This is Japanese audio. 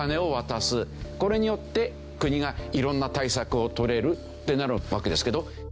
これによって国が色んな対策を取れるってなるわけですけど。